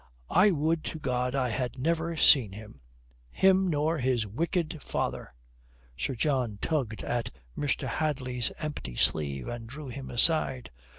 I would to God I had never seen him him nor his wicked father." Sir John tugged at Mr. Hadley's empty sleeve and drew him aside.